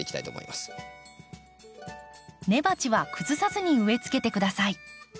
根鉢は崩さずに植えつけて下さい。